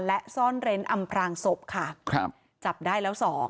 และซ่อนเรนอำพรางศพค่ะจับได้แล้ว๒